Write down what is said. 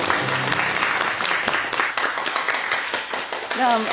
どうも。